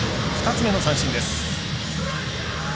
２つ目の三振です。